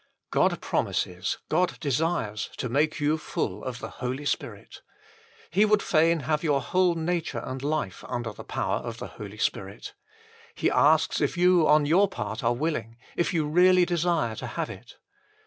God promises, God desires to make you full of the Holy Spirit. He would fain have your whole nature and life under the power of the Holy Spirit. He asks if you on your part are willing, if you really desire to have it.